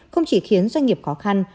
không chỉ khiến doanh nghiệp khó khăn